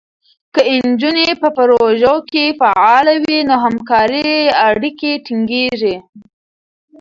که نجونې په پروژو کې فعاله وي، نو همکارۍ اړیکې ټینګېږي.